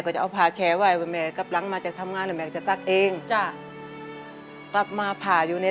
คนรักเหมือนห่างกลับมารับป่าแพ้ใจ